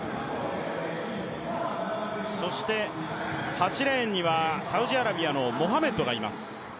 そして、８レーンにはサウジアラビアのモハメッドがいます。